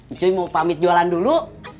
itu mau pamit jualan dulu